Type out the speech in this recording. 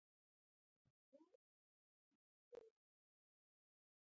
احمد تل پردي اور ته ځان ورغورځوي.